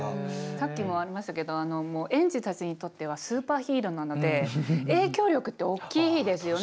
さっきもありましたけど園児たちにとってはスーパーヒーローなので影響力って大きいですよね。